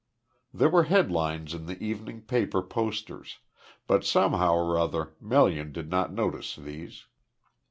There were headlines in the evening paper posters, but somehow or other Melian did not notice these.